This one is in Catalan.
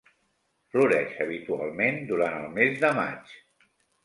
Floreix habitualment durant el mes de maig.